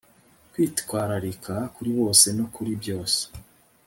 kwitwararika kuri bose no kuri byose